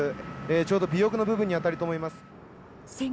ちょうど尾翼の部分に当たると思います。